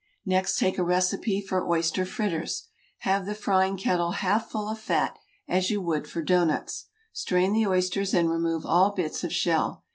Next take a recipe for oyster fritters. Have the frying kettle half full of fat, as you would for doughnuts. Strain the oysters and remove all bits of shell.